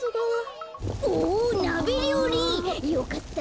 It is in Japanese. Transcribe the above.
なべりょうり！よかった。